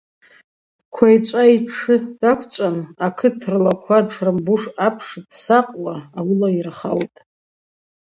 Квайчӏва йтшы даквчӏван, акыт рлаква дшрымбуш апш дсакъуа, ауыла йырхаутӏ.